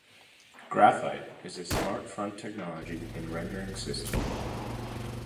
Graphite is a smart-font technology and rendering system.